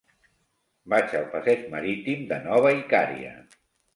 Vaig al passeig Marítim de Nova Icària.